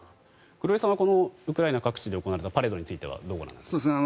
黒井さんはこのウクライナ各地で行われたパレードについてはどうご覧になりますか？